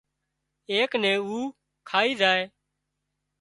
ايڪ نين اُو کائي زائي